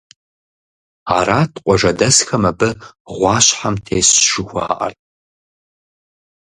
Арат къуажэдэсхэм абы гъуащхьэм тесщ щӀыхужаӀэр.